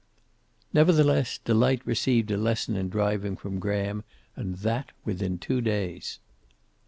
Nevertheless, Delight received a lesson in driving from Graham, and that within two days.